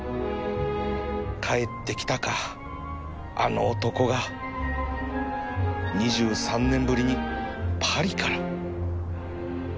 帰ってきたかあの男が２３年ぶりにパリから